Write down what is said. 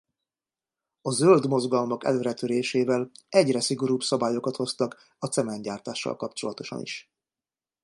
A zöld mozgalmak előretörésével egyre szigorúbb szabályokat hoztak a cementgyártással kapcsolatosan is.